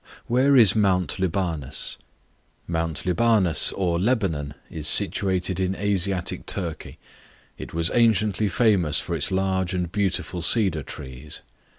Where is Mount Libanus? Mount Libanus, or Lebanon, is situated in Asiatic Turkey; it was anciently famous for its large and beautiful cedar trees.